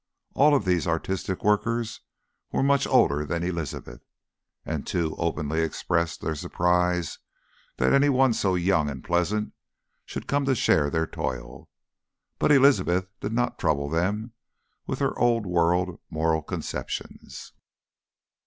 All of these artistic workers were much older than Elizabeth, and two openly expressed their surprise that any one so young and pleasant should come to share their toil. But Elizabeth did not trouble them with her old world moral conceptions.